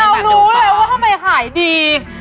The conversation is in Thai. เรารู้เลยว่าทำไมขายดี